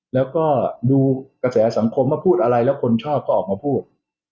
แล้วก็ดูกระแสสังคมว่าพูดอะไรแล้วคนชอบก็ออกมาพูด